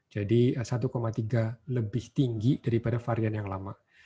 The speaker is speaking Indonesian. jadi satu tiga lebih tinggi daripada varian yang lama